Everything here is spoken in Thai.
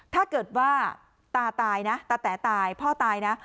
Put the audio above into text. ถ้าเกิดว่าตาแต่ตายพ่อตายนะ